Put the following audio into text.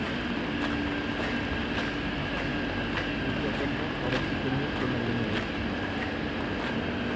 Je vous appelle donc à la soutenir comme elle le mérite.